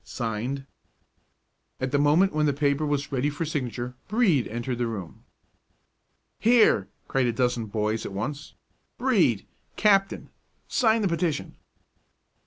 (Signed) ______ At the moment when the paper was ready for signature, Brede entered the room. "Here!" cried a dozen boys at once. "Brede, captain! sign the petition!"